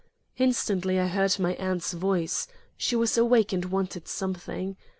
Instantly, I heard my aunt's voice. She was awake and wanted something.